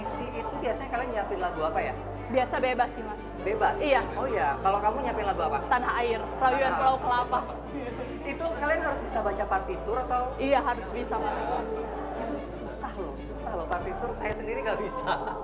susah loh partitur saya sendiri gak bisa